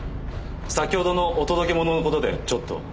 先ほどのお届け物の事でちょっと。